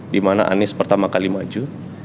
dimana anies pertama kali maju